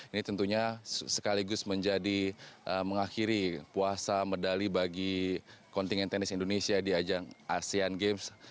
ini tentunya sekaligus menjadi mengakhiri puasa medali bagi kontingen tenis indonesia di ajang asean games